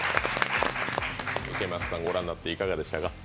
池松さん、ご覧になっていかがでしたか？